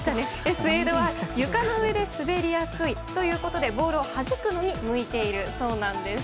スエードは床の上で滑りやすいということでボールをはじくのに向いているそうなんです。